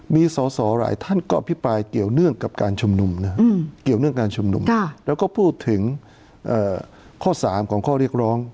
มีสาวหลายท่านก็พิพายเกี่ยวเนื่องกับการชมนุมแล้วก็พูดถึงข้อ๓ของข้อเรียกร้อง